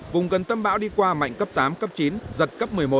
vùng gần tâm bão đi qua mạnh cấp tám cấp chín giật cấp một mươi một